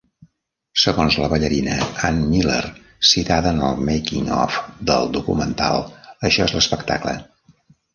Segons la ballarina Ann Miller, citada en el "making-of" del documental "Això és l'espectacle"